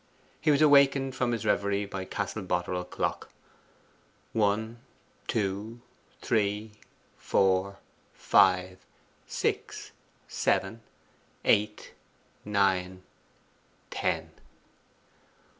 He was awakened from his reverie by Castle Boterel clock. One, two, three, four, five, six, seven, eight, nine, TEN.